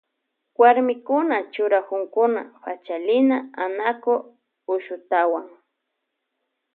Warmikuna churakunkuna yaa Pachalina, Anaku, Ushutawan.